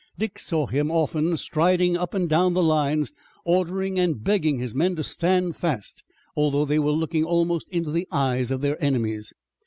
Dick saw him often striding up and down the lines, ordering and begging his men to stand fast, although they were looking almost into the eyes of their enemies.